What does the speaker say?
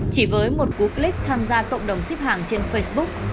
chỉ với một cuối clip tham gia cộng đồng shipper